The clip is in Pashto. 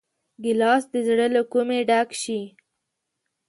ګیلاس د زړه له کومي ډک شي.